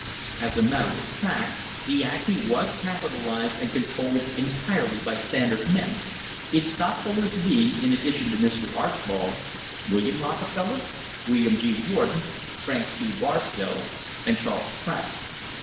As a matter of fact the Acme was capitalised and controlled entirely by Standard men, its stockholders being, in addition to Mr. Archbold, William Rockefeller, William G. Warden, Frank Q. Barstow, and Charles Pratt.